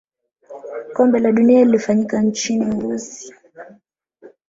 kombe la dunia lilifanyika nchini urusi